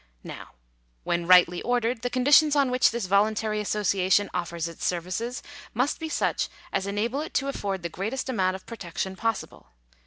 Now, when rightly ordered, the conditions on which this voluntary association offers its services, must be such as enable it to afford the greatest amount of protection possible.